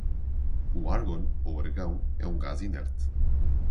O árgon ou argão é um gás inerte.